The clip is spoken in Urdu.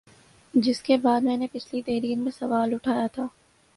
جس کے بعد میں نے پچھلی تحریر میں سوال اٹھایا تھا